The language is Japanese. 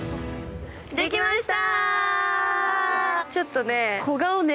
できました。